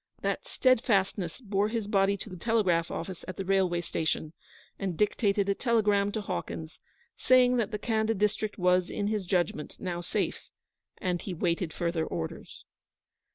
That steadfastness bore his body to the telegraph office at the railway station, and dictated a telegram to Hawkins, saying that the Khanda district was, in his judgment, now safe, and he 'waited further orders.'